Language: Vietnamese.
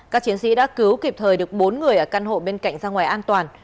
các chiến sĩ đã cứu kịp thời được bốn người ở căn hộ bên cạnh ra ngoài an toàn